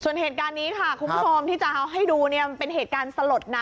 ส่วนเหตุการณ์นี้ค่ะคุณผู้ชมที่จะเอาให้ดูเนี่ยมันเป็นเหตุการณ์สลดนะ